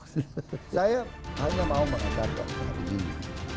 saya hanya mau mengatakan